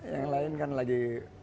yang lain kan lagi